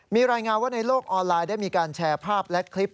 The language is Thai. มีรายงานว่าในโลกออนไลน์ได้มีการแชร์ภาพและคลิป